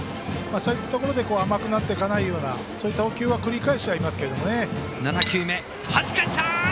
そういったところで甘くなっていかないような投球は繰り返してはいますけどね。